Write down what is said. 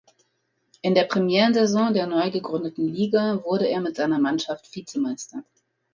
In der Premierensaison der neu gegründeten Liga wurde er mit seiner Mannschaft Vizemeister.